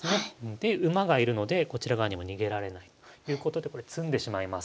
で馬が居るのでこちら側にも逃げられないということでこれ詰んでしまいます。